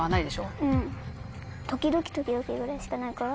時々時々ぐらいしかないから。